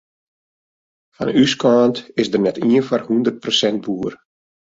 Fan ús kant is der net ien foar hûndert persint boer.